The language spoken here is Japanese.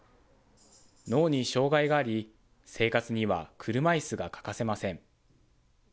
脳に障害があり、生活には車いすが欠かせません。